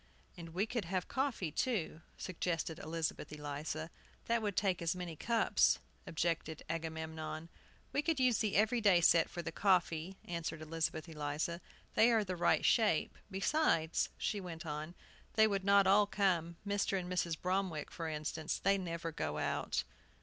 "And we could have coffee, too," suggested Elizabeth Eliza. "That would take as many cups," objected Agamemnon. "We could use the every day set for the coffee," answered Elizabeth Eliza; "they are the right shape. Besides," she went on, "they would not all come. Mr. and Mrs. Bromwick, for instance; they never go out."